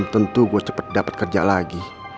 tentu gue dapat kerja lagi